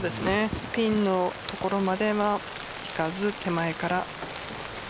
ピンの所まではいかず手前から。